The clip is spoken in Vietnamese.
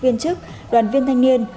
viên chức đoàn viên thanh niên